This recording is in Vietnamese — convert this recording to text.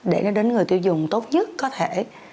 để nó đến người tiêu dùng tốt nhất có thể